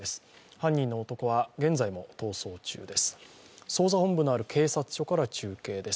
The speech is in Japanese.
犯人の男は現在も逃走中です。